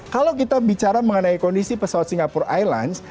kalau kita bicara mengenai kondisi pesawat singapura airlines